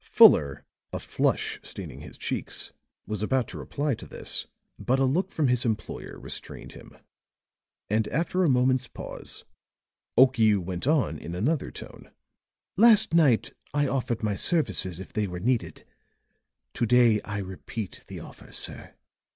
Fuller, a flush staining his cheeks, was about to reply to this; but a look from his employer restrained him. And after a moment's pause, Okiu went on in another tone: "Last night I offered my services if they were needed; to day I repeat the offer, sir."